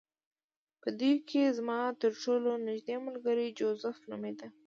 په دوی کې زما ترټولو نږدې ملګری جوزف نومېده